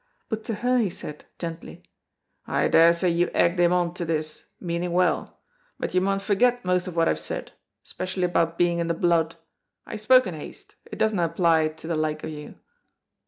But to her he said, gently, "I daresay you egged him on to this, meaning well, but you maun forget most of what I've said, especially about being in the blood. I spoke in haste, it doesna apply to the like of you."